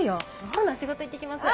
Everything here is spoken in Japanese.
ほな仕事行ってきます。